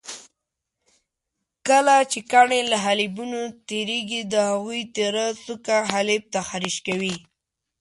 کله چې کاڼي له حالبینو تېرېږي د هغوی تېره څوکه حالب تخریش کوي.